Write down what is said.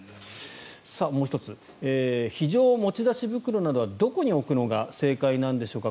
もう１つ非常持ち出し袋などはどこに置くのが正解なんでしょうか？